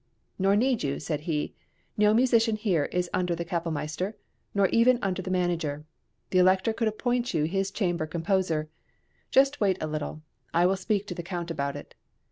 "Nor need you," said he; "no musician here is under the kapellmeister, nor even under the manager. The {MANNHEIM.} (396) Elector could appoint you his chamber composer. Just wait a little; I will speak to the Count about it."